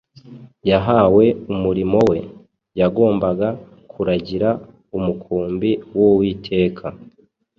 yahawe umurimo we; yagombaga kuragira umukumbi w’uwiteka